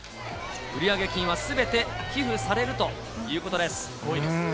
売上金はすべて寄付されるということです。